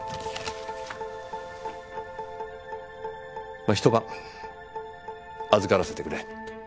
まあ１晩預からせてくれ。